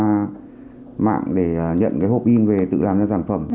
tôi đã lên mạng để nhận cái hộp in về tự làm cho sản phẩm